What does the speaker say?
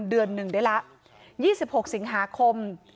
เดือนหนึ่งได้ละ๒๖สิงหาคม